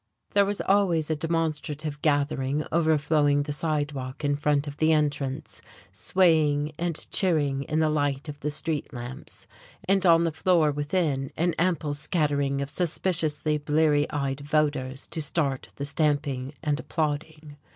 There was always a demonstrative gathering overflowing the sidewalk in front of the entrance, swaying and cheering in the light of the street lamps, and on the floor within an ample scattering of suspiciously bleary eyed voters to start the stamping and applauding.